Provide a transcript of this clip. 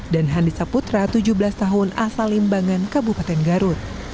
dan handi saputra tujuh belas tahun asal limbangan kabupaten garut